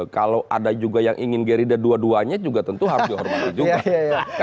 kalau ada juga yang ingin gerindra dua duanya juga tentu harus dihormati juga